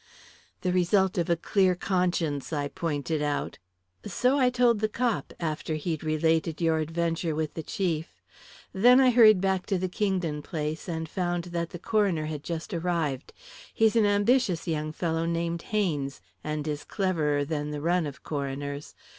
"The result of a clear conscience," I pointed out. "So I told the cop, after he'd related your adventure with the chief. Then I hurried back to the Kingdon place, and found that the coroner had just arrived. He's an ambitious young fellow, named Haynes, and is cleverer than the run of coroners.